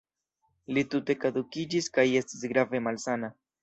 Li tute kadukiĝis kaj estis grave malsana.